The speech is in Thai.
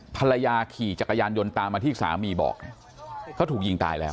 พลายาขี่จักรยานยนต์ตามอาทิตย์สาหรรี่บอกเขาถูกยิงตายแล้ว